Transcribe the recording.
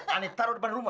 anak taruh depan rumah